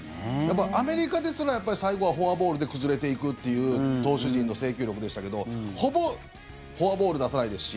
アメリカですら最後はフォアボールで崩れていくという投手陣の制球力でしたけどほぼフォアボール出さないですし。